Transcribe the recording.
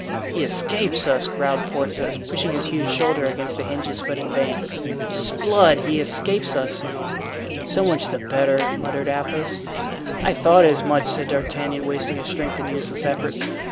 "He escapes us," growled Porthos, pushing his huge shoulder against the hinges, but in vain. "'Sblood! he escapes us." "So much the better," muttered Athos. "I thought as much," said D'Artagnan, wasting his strength in useless efforts.